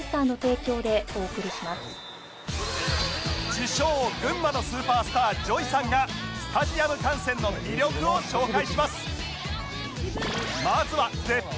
自称群馬のスーパースター ＪＯＹ さんがスタジアム観戦の魅力を紹介します